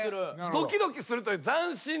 ドキドキするという斬新な。